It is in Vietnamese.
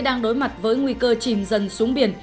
đang đối mặt với nguy cơ chìm dần xuống biển